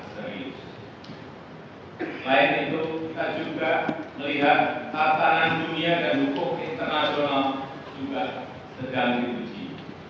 selain itu kita juga melihat tatanan dunia dan hukum internasional juga sedang diuji